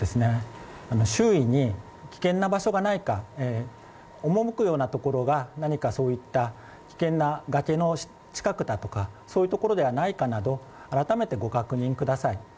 周囲に危険な場所がないか赴くような場所が何か危険な崖の近くとかそういうところはないかなど改めてご確認ください。